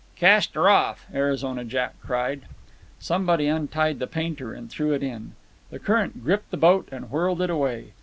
"Cast her off!" Arizona Jack cried. Somebody untied the painter and threw it in. The current gripped the boat and whirled it away.